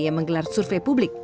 yang menggelar survei publik